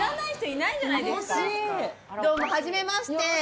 どうもはじめまして。